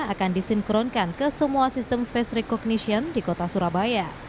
akan disinkronkan ke semua sistem face recognition di kota surabaya